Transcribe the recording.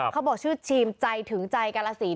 เขาบอกชื่อชีมใจถึงใจกาลสี